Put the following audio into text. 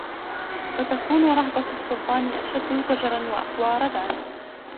فَتَكُونُ رَهْبَةُ السُّلْطَانِ أَشَدَّ زَجْرًا وَأَقْوَى رَدْعًا